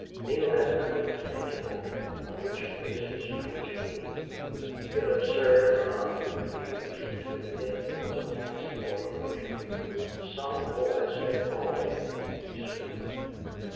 Neale had nothing tangible upon which to base his strange feeling. Yet absurd or not, he refused to admit it was fancy or emotion. Some voice had called him. He swore it.